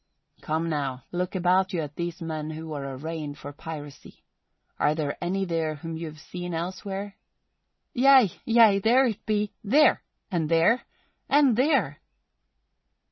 "Come now, look about you at these men who are arraigned for piracy. Are there any there whom you have seen elsewhere?" "Yea, yea, that there be! There! And there! And there!"